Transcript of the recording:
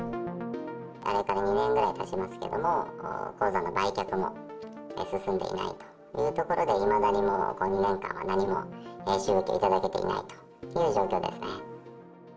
あれから２年くらいたちますけども、鉱山の売却も進んでいないというところで、いまだにもうこの２年間は、何も収益を頂けていないという状況ですね。